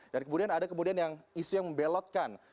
dan kemudian ada kemudian yang isu yang membelotkan